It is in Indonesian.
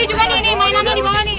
ini juga nih mainannya dibawa nih